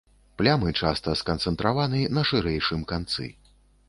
Плямы часта сканцэнтраваны на шырэйшым канцы.